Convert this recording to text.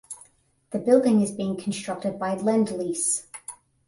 The building is being constructed by Lendlease.